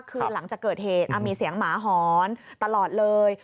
คือหลังจากเกิดเหตุมีเสียงหมาหอนตลอดเลย